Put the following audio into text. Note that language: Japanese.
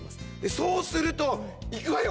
そうすると、いくわよ。